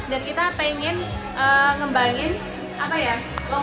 dan kita pengen ngembangin lokal pride indonesia gitu loh kan